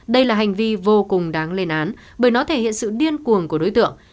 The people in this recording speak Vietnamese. đây là hành vi vô cùng đáng lên án bởi nó thể hiện sự điên cuồng của đối tượng